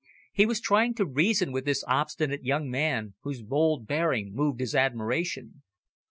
He was trying to reason with this obstinate young man, whose bold bearing moved his admiration.